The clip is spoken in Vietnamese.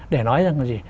để nói rằng là gì